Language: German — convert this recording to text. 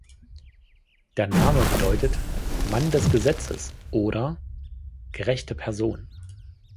Der Name bedeutet „Mann des Gesetzes“ oder „gerechte Person“.